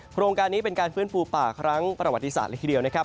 โครงการนี้เป็นการฟื้นฟูป่าครั้งประวัติศาสตร์เลยทีเดียวนะครับ